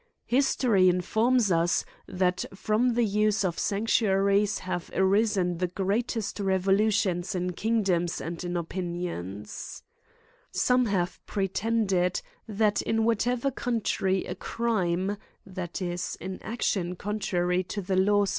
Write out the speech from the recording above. Histo ry informs us, that from the use of sanctuaries have arisen the greatest revolutions in kingdoms and in opinions. Some have pretende*d, that in whatever coun trv a crime, that is, an action contrary to the laws GRIMES AND PUNISHMENTS.